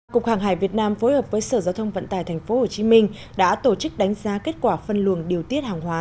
cục hàng hải việt nam phối hợp với sở giao thông vận tải tp hcm đã tổ chức đánh giá kết quả phân luồng điều tiết hàng hóa